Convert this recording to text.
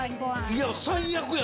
いや最悪や。